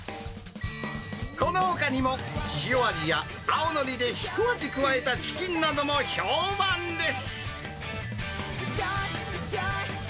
このほかにも、塩味や青のりでひと味加えたチキンなども評判です。